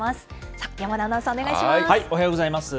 さあ、山田アナウンサー、お願いおはようございます。